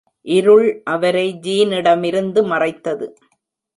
இருள் அவரை ஜீனிடமிருந்து மறைத்தது.